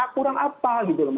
kurang apa gitu maksudnya